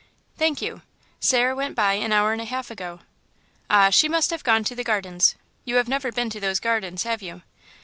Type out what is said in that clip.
"Thank you.... Sarah went by an hour and a half ago." "Ah, she must have gone to the Gardens. You have never been to those gardens, have you?